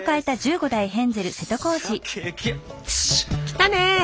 来たね！